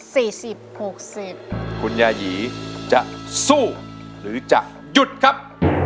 สิบหกสิบคุณยายีจะสู้หรือจะหยุดครับ